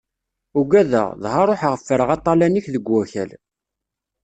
Ugadeɣ, dɣa ṛuḥeɣ ffreɣ aṭalan-ik deg wakal.